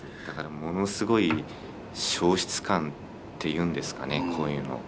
だからものすごい消失感って言うんですかね？